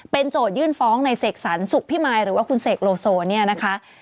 โจทยื่นฟ้องในเสกสรรสุขพิมายหรือว่าคุณเสกโลโซเนี่ยนะคะ